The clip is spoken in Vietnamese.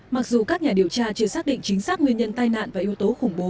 mặc dù các nhà điều tra chưa xác định chính xác nguyên nhân tai nạn và yếu tố khủng bố